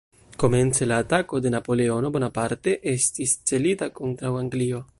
Komence la atako de Napoleono Bonaparte estis celita kontraŭ Anglio.